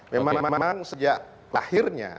memang sejak lahirnya